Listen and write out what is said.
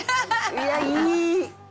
「いやあいい！」